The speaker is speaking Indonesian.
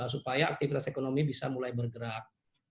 supaya aktivitas ekonomi bisa mulai bergerak